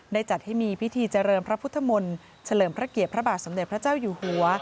จัดให้มีพิธีเจริญพระพุทธมนต์เฉลิมพระเกียรติพระบาทสมเด็จพระเจ้าอยู่หัว